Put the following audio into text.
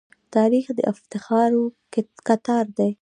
تاریخ د افتخارو کتار دی.